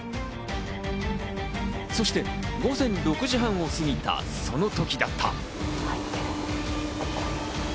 そして午前６時半を過ぎたその瞬間だった。